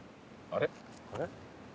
あれ？